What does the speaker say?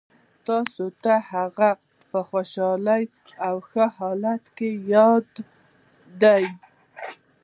تاسو ته هغه په خوشحاله او ښه حالت کې یاد دی